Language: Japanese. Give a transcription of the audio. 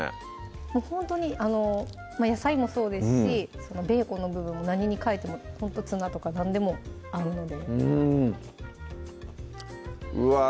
ほんとに野菜もそうですしそのベーコンの部分も何に変えてもツナとか何でも合うのでうんうわぁ